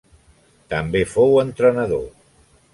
També fou entrenador.